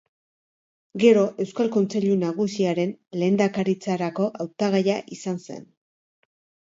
Gero, Eusko Kontseilu Nagusiaren lehendakaritzarako hautagaia izan zen.